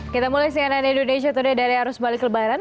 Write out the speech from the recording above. kita mulai seingatnya di indonesia today dari arus balik kelebaran